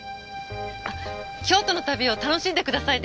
京都の旅を楽しんでくださいね。